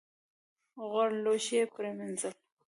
غوړ لوښي یې پرېمینځل .